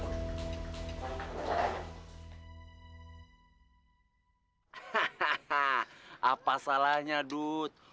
hahaha apa salahnya dud